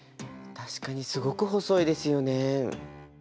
確かにすごく細いですよね。